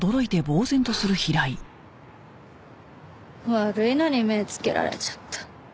悪いのに目ぇつけられちゃった。